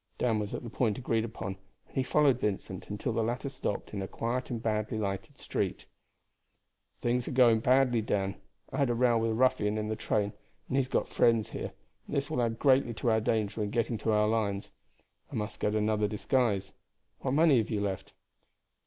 Dan was at the point agreed upon, and he followed Vincent until the latter stopped in a quiet and badly lighted street. "Things are going badly, Dan. I had a row with a ruffian in the train, and he has got friends here, and this will add greatly to our danger in getting to our lines. I must get another disguise. What money have you left?"